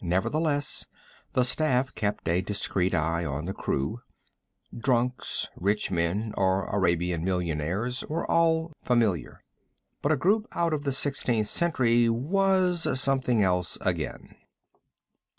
Nevertheless, the staff kept a discreet eye on the crew. Drunks, rich men or Arabian millionaires were all familiar. But a group out of the Sixteenth Century was something else again.